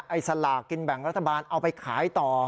สลากกินแบ่งรัฐบาลเอาไปขายต่อ